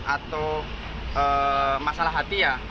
atau masalah hati ya